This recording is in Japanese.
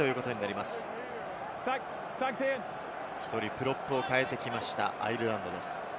プロップを代えてきました、アイルランドです。